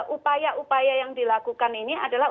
upaya upaya yang dilakukan ini adalah